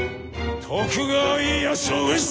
徳川家康を討つ！